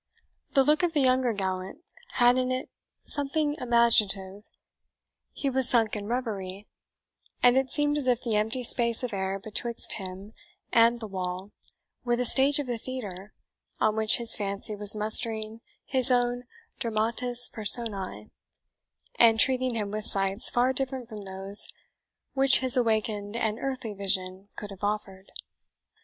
The look of the younger gallant had in it something imaginative; he was sunk in reverie, and it seemed as if the empty space of air betwixt him and the wall were the stage of a theatre on which his fancy was mustering his own DRAMATIS PERSONAE, and treating him with sights far different from those which his awakened and earthly vision could have offered.